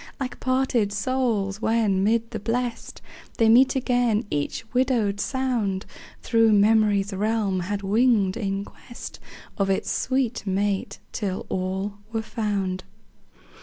Like parted souls, when, mid the Blest They meet again, each widowed sound Thro' memory's realm had winged in quest Of its sweet mate, till all were found.